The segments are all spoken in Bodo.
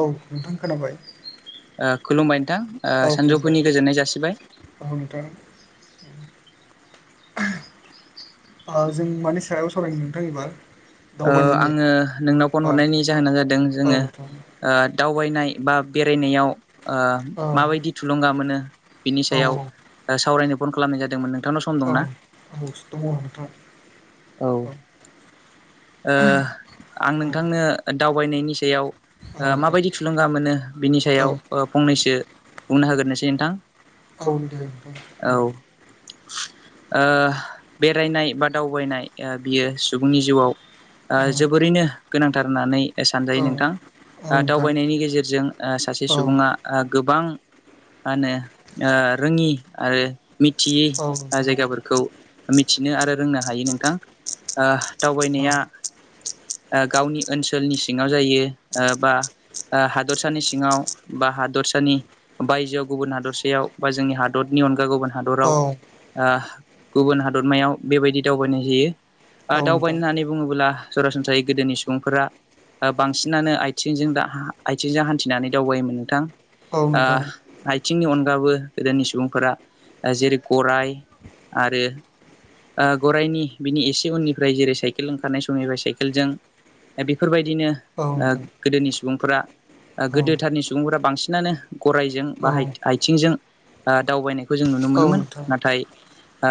औ नोंथां खोनाबाय खुलुमबाय औ नोंथां खुलुमबाय सानजौफुनि गोजोननाय जासिबाय औ नोंथां [inaudible] जों मानि सायाव सावरायनो नोंथां एबार दावबायनायनि आङो नोंनाव फन औ हरनायनि जाहोना जादों औ जोङो नोंथां दावबायनाय बा बेरायनायाव औ माबायदि थुलुंगा मोनो बिनि औ सायाव सावरायनो फन खालामनाय जादोंमोन। नोंथांनाव सम औ औ दंना सावराय जागोन नोंथां औ। आं औ नोंथांनो दावबायनायनि सायाव औ नोंथां माबायदि थुलुंगा मोनो बिनि औ सायाव फंनैसो बुंना होगोरोनोसै नोंथां। उ दे नोंथां। औ बेरायनाय बा दावबायनाय बियो सुबुंनि जिउआव औ जोबोरैनो गोनांथार होननानै औ सानजायो नोंथां औ नोंथां दावबायनायनि गेजेरजों सासे सुबुङा गोबां मा होनो रोङि आरो मि थियै जायगाफोरखौ मिथिनो आरो रोंनो हायो नोंथां। औ। दावबायनाया गावनि ओनसोलनि सिङाव जायो बा हादरसानि सिङाव बा हादरसानि बायजोआव गुबुन हादरसायाव बा जोंनि हादर नि अनगा गुबुन हादराव गुबुन हादरमायाव बेबायदि दावबायनाय जायो। ओ दावबायनो होननानै बुङोब्ला सरासनस्रायै गोदोनि सुबुंफोरा बांसिनानो आथिंजों दा आथिंजों हान्थिनानै दावबायोमोन नोंथां। औ नोंथां औ नोंथां औ नोंथां औ नोंथां औ आथिंनि अन गा गोदोनि सुबुंफोरा जेरै गराय आरो गराइनि बिनि एसे उननि ओमफ्राय जेरै साइकेल ओंखारनाय समनिफ्राय साइकेलजों बेफोरबायदिनो गोदोनि सम सुबुंफोरा गोदोथारनि सुबुंफोरा बांसिनानो गरायजों बा आथिंजों दावबायनाय खौ जों नुनो मोनोमोन नोंथां औ नाथाय ओ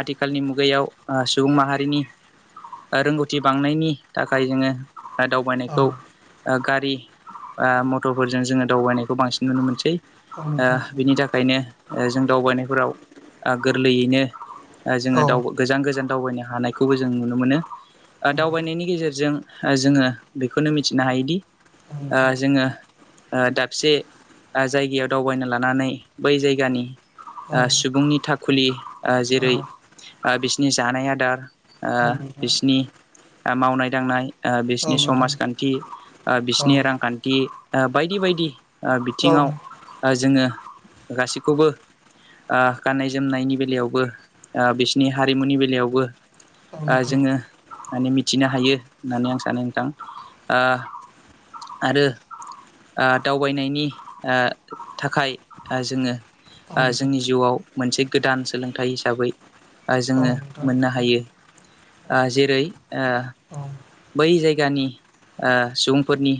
आथिखालनि मुगायाव सुबुं माहारिनि रोंगौथि बांनायनि थाखाय जोङो दावबायनायखौ गारि मटरफोरजों जोङो दावबायनायखौ बांसिन नुनो मोनसै बिनि थाखायनो जों दावबायनायफोराव गोरलैयैनो जोङो दाव गोजान गोजान दावबायनो हानायखौबो जों नुनो मोनो दावबायनायनि गेजेरजों जोङो बेखौनो मिथिनो हायोदि ओ जोङो दाबसे जायगायाव दावबायनो लानानै बै जायगानि सुबुंनि थाखुलि औ जेरै बिसनि जानाय आदार औ नोंथां बिसिनि मावनाय दांनाय औ बिसिनि नोंथां समाजखान्थि औ बिसिनि रांखान्थि बायदि बायदि औ बिथिङाव जोङो गासैखौबो गाननाय जोमनायनि बेलायावबो बिसिनि हारिमुनि बेलायावबो ओ औ नोंथां जोङो माने मिथिनो हायो होननानै आं सानो नोंथां ओ आरो ओ दावबायनायनि ओ थाखाय जोङो औ ओ नोंथां जोंनि जिउआव मोनसे गोदान सोलोंथाइ हिसाबै औ जोङो नोंथां मोननो हायो। आ जेरै आ औ बै जायगानि ओ सुबुंफोरनि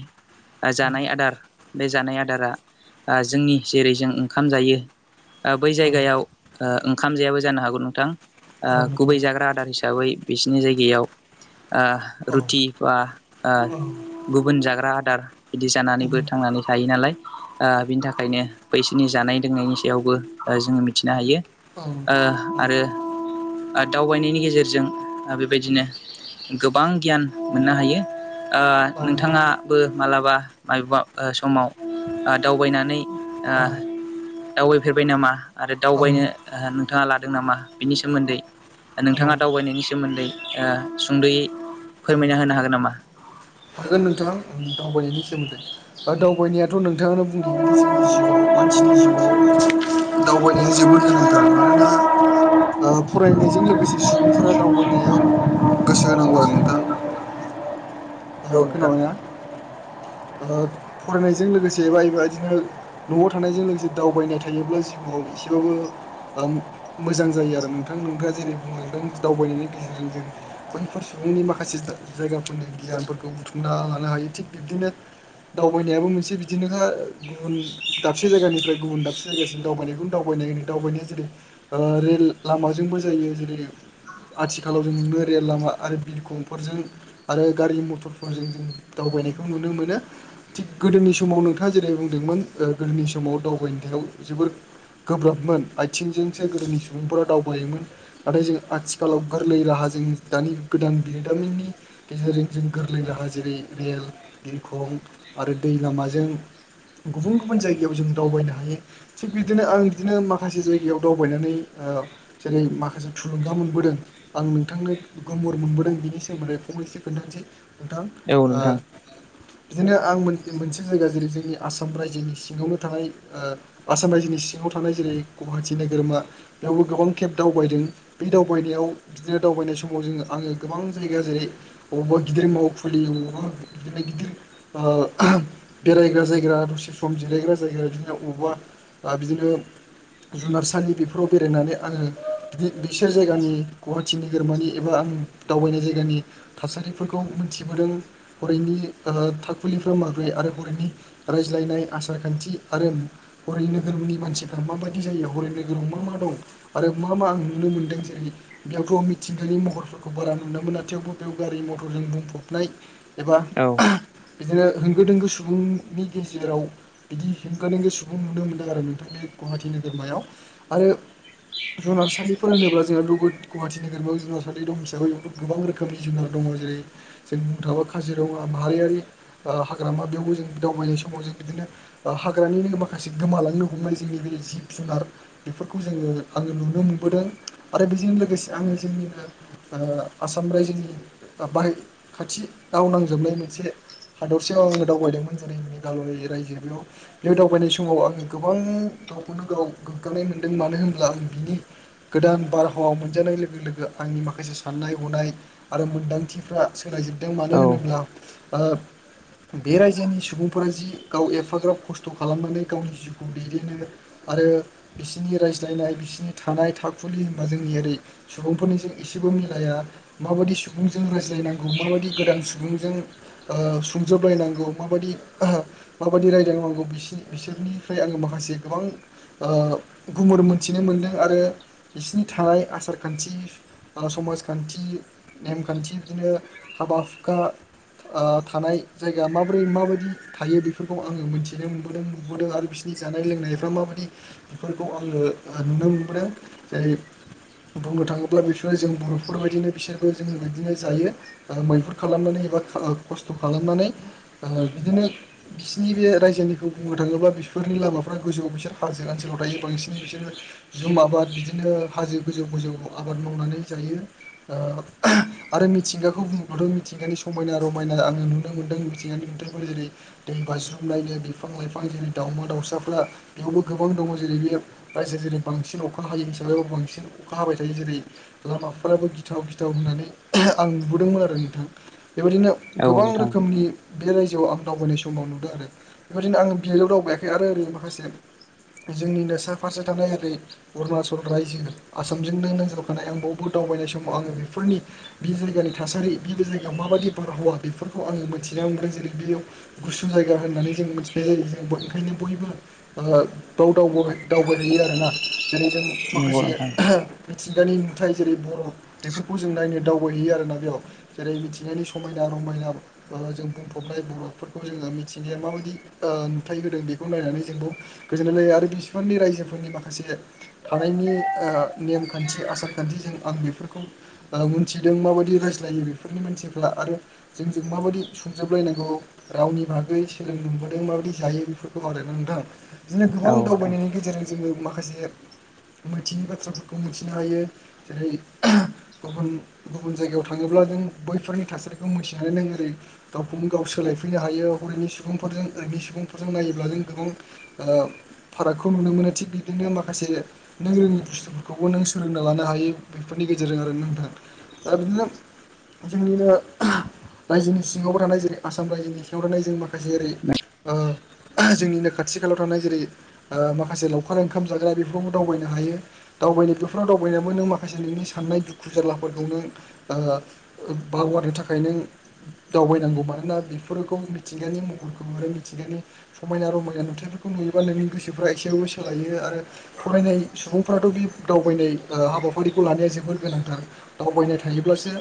जानाय आदार बे जानाय आदारा ओ जोंनि जेरै जों ओंखाम जायो ओ बै औ जायगायाव ओंखाम जायाबो जानो हागौ नोंथां ओ औ गुबै नोंथां जाग्रा आदार हिसाबै बिसिनि जायगायाव ओ औ रुटि बा गुबुन जाग्रा आदार बिदि जानानैबो उम थांनानै थायो नालाय ओ बिनि थाखायनो बैसिनि जानाय लोंनायनि सायावबो जोङो मिथिनो हायो। औ ओ नोंथां औ आरो दावबायनायनि गे जेरजों बेबायदिनो गोबां गियान मोननो हायो आ औ नोंथां नोंथाङाबो माब्लाबा माबबा समाव दावबायनानै आ औ दावबायफेरबाय नामा आरो औ दावबायनो नोंथाङा लादों नामा बिनि सोमोन्दै नोंथाङा औ दावबायनायनि सोमोन्दै सुंद'यै औ फोरमायना होनो हागोन नामा? हागोन नोंथाङा दावबायनायनि सोमोन्दै दावबायनाया थ' नोंथाङा बुंनाय बदि जोंनि जिउआव मानसिनि जिउआव दावबायनाया जोबोद गोनांथार मानो ना फरायनायजों लोगोसे सुबुंफोरा दावबायनायाव गोसो होनांगौ आरो नोंथां [inaudible] औ ओं नोंथां खोनाबायना [inaudible] ओ फरायनायजों लोगोसे एबा एबादिनो न'आव थानायजों लोगोसे दावबायनाय थायोब्ला जिउआव एसेबाबो मोजां जायो आरो नोंथां नोंथाङा जेरै बुंलांदों दावबायनायनि गेजेरजों जों बैफोर सुबुंनि माखासे जायगाफोरनि गियानफोरखौ बुथुमना लानो हायो थिग बिब्दिनो दावबायनायाबो मोनसे बिदिनोखा गुबुन दाबसे जायगानिफ्राय गुबुन दाबसे जायगासिम दावबायनायखौनो दावबायनाय दावबायनाया जेरै ओ रेल लामाजोंबो जायो जेरै आथिखालाव जों नुनो रेल लामा आरो बिरखंफोरजों आरो गारि मथर फोरजों दावबायनायखौ नुनो मोनो थिग गोदोनि समाव नोंथाङा जेरै बुंदोंमोन ओ गोदोनि समाव समाव दावबायाव जोबोर गोब्राबमोन आथिंजोंसो गोदोनि सुबुंफोरा दावबायोमोन नाथाय जों आथिखालाव गोरलै राहा जों दानि गोदान बिरोंदामिनि गेजेरजों जों गोर- लै राहा जेरै रेल बिरखं आरो दै लामाजों गुबुन गुबुन जायगायाव जों दावबायनो हायो थिग बिदिनो आं बिदिनो माखासे जायगायाव दावबायनानै औ जेरै माखासे थुलुंगा मोनबोदों आं नोंथांनो गोमुर मोनबोदों बिनि सोमोन्दै फं- खोन्थासै नोंथां औ ओ नोंथां बिदिनो आं मोनसे जायगा जेरै जोंनि आसाम रायजोनि सिङावनो थानाय ओ आसाम रायजोनि सिङाव थानाय जेरै गुवाहाटि नोगोरमा बेयावबो गोबां केेब दावबायदों बे दावबायनायाव बिदिनो दावबाय नाय समाव जोङो आङो गोबां जायगा जेरै बबावबा गिदिर माव थिलि अबावबा बिदिनो गिदिर ओ बेरायग्रा जायग्रा दसे सम जिरायग्रा जाय- गा बेदिनो अबा आ बिदिनो जुनारसालि बेफोराव बेरायनानै आङो बिसोर जायगानि गुवाहाटि नोगोरमानि एबा आं दावबायनाय जायगानि थासारिफोरखौ मोन- थिबोदों हरैनि थाखुलिफ्रा माबोरै आरो हरैनि रायज्लायनाय आसार खान्थि आरो हरै नोगोरनि मानसिफ्रा माबायदि जायो हरै नोगोराव मा मा दं आरो मा मा आं नुनो मोनदों जेरै बेयावथ' मिथिंगानि महरफोरखौ बारा नुनो मोना थेवबो बेयाव गारि मथरजों बुंफब नाय एबा औ बिदिनो होंगो दोंगो सुबुंनि गेजेराव बिदि हेंगो दोंगो सुबुं नुनो मोनदों आरो नोंथांनि गुवाहाटी नोगोरमायाव आरो जुनारसालि फोरहोनोब्ला जोंहा गुवाहाटि नोगोरमायाव जुनारसालि दं हिसाबै बे गोबां रोखोमनि जुनार दं जेरै जों बुंनो थांबा काजिरङा माहारियारि हाग्रामा बेयावबो जों दावबायनाय समाव जों बिदिनो हाग्रानिनो माखासे गोमालांनो हमनाय जोंनि बे जिब जुनार बेफोरखौ जोङो आङो नुनो मोनबोदों आरो बेजों लोगोसे आङो जोंनिनो आसाम ओ रायजोनि बाहे खाथि गाव नांजाबनाय मोनसे हादरसायाव आङो दावबायदोंमोन जेरै मेघालय रायजो बेयाव बे दावबायनाय समाव आङो गोबां गावखौनो गाव गोग्गानाय मोन्दों मानो होनब्ला आं बिनि गोदान बारहावा मोनजानाय लोगो लोगो आंनि माखासे साननाय हनाय आरो मोनदांथिफ्रा सोलायजोबदों मानो होनोब्ला औ बे रायजोनि सुबुंफोरा जि गाव एफाग्राब खस्थ' खालामनानै गावनि जिउखौ दैदेननो आरो बिसोरनि रायज्लायनाय बिसोरनि थानाय थाखुलि होनबा जोंनि ओरै सुबुंफोरनिजों एसे बो मिलाया माबायदि सुबुंजों रायज्लायनांगौ माबायदि गोदान सुबुंजों ओ सुंजोबलायनांगौ माबायदि मायदि राय- लायनांगौ बि बिसोरनिफ्राय आङो माखासे गोबां गुमुर मोनथिनो मोनदों आरो बिसिनि थानाय आसार खान्थि आरो समाजखान्थि नेमखान्थि बिदिनो हाबा हुखा ओ थानाय जायगा माबोरै माबायदि थायो बेफोरखौ आङो मिथिनो मोनबोदों नुबोदों आरो बिसोरनि जानाय लोंनायफ्रा माबायदि बेफोरखौ आङो नुनो मोनबोदों जेरै बुंनो थाङोब्ला बिसोरो जों बर'फोरबायायदिनो बिसोरबो जोंङो बिदिनो जायो। मैहुर खालामनानै एबा खस्थ' खालामनानै बिदिनो बिसिनि बे रायजो खौ बुंनो थाङोबा बेफोरनि लामाफ्रा गोजौ बिसोर हाजो ओनसोलाव थायो बांसिन बिसोरो जुम आबाद बिदिनो हाजो गोजौ गोजौ आबाद मावनानै जायो ओ आरो मिथिंगा खौ बुङोबाथ' मिथिंगानि समायना रमायना आङो नुनो मोनदों मिथिंगानि नुथायफोर जेरै दै बाज्रुमनायनो बिफां लाइफां जेरै दाउमा दाउसाफ्रा बेयावबो गोबां दङ जेरै बे रायजो जेरै बांसिन अखा हायो हिसाबैबो बांसिन अखा हाबाय थायो जेरै लामाफोराबो गिथाव गिथाव होननानै आं नुबोदोंमोन आरो नोंथां बेबायदिनो औ गोबां नोंथां रोखोमनि बे रायजोआव आं दावबायनाय समाव नुदों आरो बेबायदिनो आं बियावल' दावबायाखै आरो ओरै माखासे जोंनिनो सा फारसे थानाय ओरै अरुणाचल रायजो आसामजोंनो नांजाबखानाय आं बावबो दा दावबायनाय समाव आङो बेफोरनि बि जायगानि थासारि बे जायगायाव माबादि बारहावा बेफोरखौ आङो मिथिना मोनदों जेरै बेयाव गुसु जायगा होननानै जों मिथिनाय जायो जों ओंखायनो बयबो बाव दावबायहैयो आरोना जेरै जों नंगौ माखासे नोंथां बिथिं [unintelligible] जेरै बरफ बेफोरखौ जों नायनो दावबायहैयो आरोना जेरै मिथिंगानि समायना रमायना जों बुंफबनाय बरफफोरखौ जोङो मिथिगाया माबादि नुथाय होदों बेखौ नायनानै जोंबो गोजोननाय लायो आरो बिसिबांनि रायजोफोरनि माखासे थानायनि ओ नेमखान्थि आसार खान्थिजों आं बेफोरखौ मोनथिदों माबायदि जायो बेफोरनि मानसिफ्रा आरो जोंजों माबायदि सुंजोबलायनांगौ रावनि बागै सोलोंनो मोनबोदों माबायदि जायो बेफोरखौ आरो नोंथां बिदिनो औ गोबां नोंथां दावबायनायनि गेजेरजों जोङो माखासे मोनथियि बाथ्राफोरखौ मिथिनो हायो जेरै गुबुन गुबुन जायगायाव थां थाङोब्ला नों बैफोरनि थासारिखौ मोनथिनानै नों ओरै गावखौनो गाव सोलायफैनो हायो हरैनि सुबुंफोर जों ओरै सुबुंफोरजों नायोब्ला जों गोबां ओ फारागखौ नुनो मोनो थिग बिदिनो माखासे नों रोङै बुस्थुफोरखौबो नों सोलोंना लानो हायो बेफोरनि गेजेरजों आरो नोंथां दा बिदिनो जोंनिनो रायजोनि सिङावबो थानाय जेरै आसाम रायजोनि सिङाव थानाय जों माखासे ओरै ओ जोंनिनो खाथि थि खायालाव थानाय जेरै माखासे लावखार ओंखाम जाग्रा बेावबो दावबायनो हायो दावबायनो बेफोराव दावबायनो बो नों माखासे नोंनि साननाय दुखु जारलाफोरखौ नों ओ बावगारनो थाखाय नों दावबायनांगौ मानोना बेफोरखौ मिथिंगानि महर आरो मिथिगानि समायना रमायना नुथायफोरखौ नुयोबा नोंनि गोसोफ्रा एसेबाबो सोलायो आरो। फरायनाय सुबुंफोराथ' बे दावबायनाय हाबाफारिखौ लानाया जोबोर गोनांथार दावबायनाय थायोब्लासो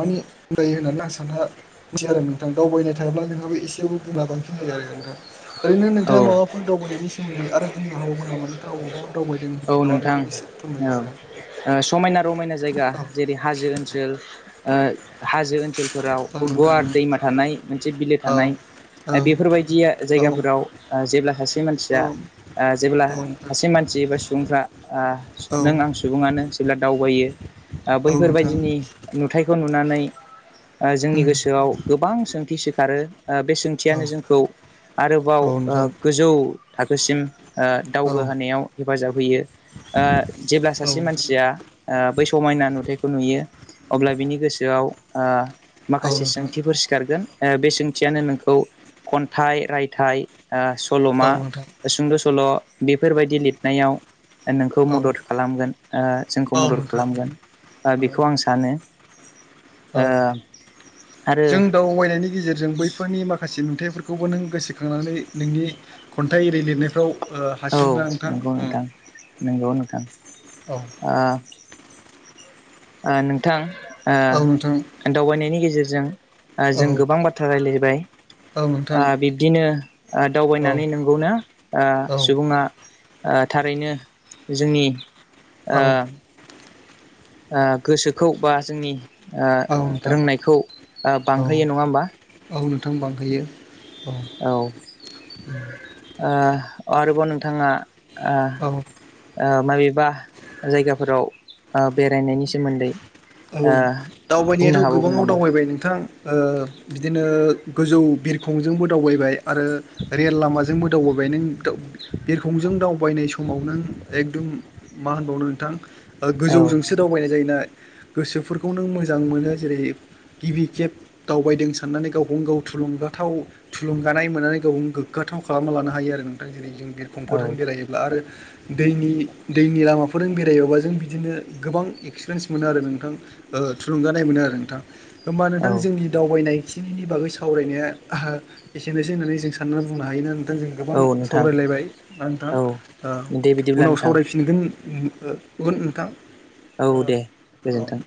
मानि जायो होननानै आं साननासै आरो नोंथां दावबायनाय थायाब्ला नोंहाबो एसेयावबो गोहोआ बांसिन जायो। ओरैनो नोंथाङा औ माबाफोर दावबाय बेनि सोमोन्दै आरो बुंनो हागावगोन नामा नोंथा अबावबा दावबायदों औ नामा नोंथां बेखौ एसे फोरमायो नोंथां औ समायना रमायना जायगा औ जेरै हाजो ओनसोल ओ हाजो ओनसोलफोराव औ नोंथां गुवार दैमा थानाय मोनसे बिलो औ थानाय बेफोरबायदिया औ जायगाफोराव जेब्ला सासे मानसिया औ ओ‌ जेब्ला औ नोंथां सासे मानसि एबा सु- ओ औ नों आं सुबुङानो जेब्ला दावबायो औ नोंथां औ नोंथां बैफोरबायदिनि नुथायखौ नुनानै जोंनि गोसोआव गोबां सोंथि सिखारो बे औ नोंथां औ नोंथां औ नोंथां औ सोंथियानो जोंखौ आरोबाव ओ औ गोजौ थाखोसिम ओ दावगा होनायाव हेफाजाब होयो जेब्ला सासे मानसिया ओ बै समायना नुथायखौ नुयो अब्ला बिनि गोसोआव ओ माखासे सोंथिफोर सिखारगोन ओ बे सोंथियानो नोंखौ खन्थाइ रायथाइ ओ सल'मा सुंद' सल' बेफोरबायदि लिरनायाव नोंखौ मदद खालामगोन जोंखौ मदद नोंथां खालामगोन। बेखौ आं सानो ओ औ औ आरो नि गेजेरजों बैफोरनि माखासे नुथाइफोरखौबो नों गोसोखांनानै नोंनि खन्थाइ एरि लिरनायफ्राव औ हारसिं ना नोंथां नंगौ नोंथां नोंथां नोंथां उम दावबायनायनि गेजेरजों जों गोबां औ बाथ्रा राय्लायबाय औ नोंथां बिब्दिनो औ दावबायनानै नोंगौ ना औ नोंथां औ सुबुङा थारैनो जोंनि ओ औ गोसोखौ बा जोंनि औ नोंथां रोंनायखौ औ बांहोयो नङा होमबा? औ नोंथां बांहोयो। औ आरोबाव नोंथाङा ओ औ ओ माबेबा जायगाफोराव बेरायनायनि सोमोन्दै औ ओ बुंनो दावबायनायाथ' हाबावगोन गोबाङाव नामा? दावबाय नोंथां बिदिनो गोजौ बिरखंजोंबो दावबायबाय आरो रेल लामाजोंबो दावबायबाय। नों बिरखंजों दावबायनाय समाव नों एकदम मा होनबावनो नोंथां औ गोजौजोंसो दावबायनाय जायोना गोसोफोरखौ नों मोजां मोनो जेरै गिबि खेब दावबायदों साननानै गावखौनो गाव थुलुंगा। गोथाव थुलुंगानाय मोननानै गावनो गोगाथाव खालामना लानो हायो आरो नोंथां जेरै जों बिरखंफोरजों औ बेरायोब्ला आरो दैनि दैनि लामाफोरजों बेरायोबा जों बिदिनो गोबां एक्सपिरियेन्स मोनो आरो नों थां ओ थुलुंगानाय मोनो आरो नोंथां होमबा नोंथां जोंनि दावबायनाय एसे एनैनि बागै सावरायनाया एसेनोसै होननानै जों साननानै बुंनो हायो। जों गोबां औ नोंथां सावरायलायबाय दा नोंथां औ दे बिदिब्ला उनाव नोंथां सावरायफिनगोन। गुबुन नोंथां औ दे औ गोजोन्थों।